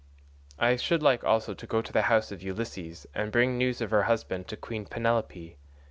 I should like also to go to the house of Ulysses and bring news of her husband to Queen Penelope.